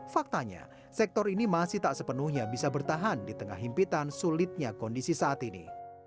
faktanya sektor ini masih tak sepenuhnya bisa bertahan di tengah himpitan sulitnya kondisi saat ini